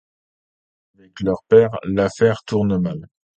Mais avec leur père, l'affaire tourne mal.